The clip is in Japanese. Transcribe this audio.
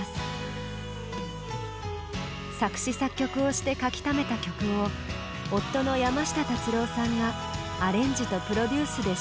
作詞作曲をして書きためた曲を夫の山下達郎さんがアレンジとプロデュースで仕上げていく。